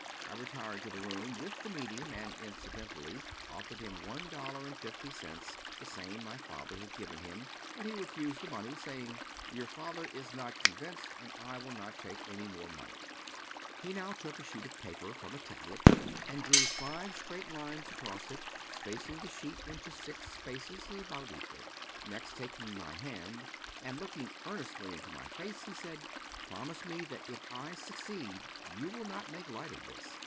I retired to the room with the medium, and incidentally offered him one dollar and fifty cents, the same my father had given him ; but he refused the money, saying: " Your father is not convinced, and I will not take any more money." He now took a sheet of paper from a tablet, and drew five straight lines across it, spacing the sheet into six spaces 251 Tme Stories of Modern Magic about equal. Next taking my hand^ and looking earnestly into my face, he said :" Promise me that if I succeed, you will not make light of this.